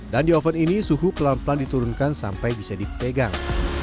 dan di oven ini suhu pelan pelan diturunkan sampai bisa di pegang